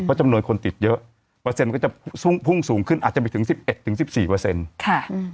เพราะจำนวนคนติดเยอะเปอร์เซ็นต์ก็จะพุ่งสูงขึ้นอาจจะไปถึง๑๑๑๔ค่ะ